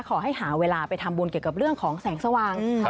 ขอให้หาเวลาไปทำบุญเกี่ยวกับเรื่องของแสงสว่าง